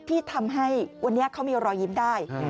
ที่ทำให้วันนี้เขามีรอยยิ้มได้